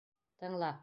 Тыңла.